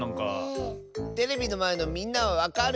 テレビのまえのみんなはわかる？